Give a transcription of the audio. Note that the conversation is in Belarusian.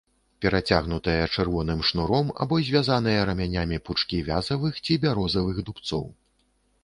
Перацягнутыя чырвоным шнуром або звязаныя рамянямі пучкі вязавых ці бярозавых дубцоў.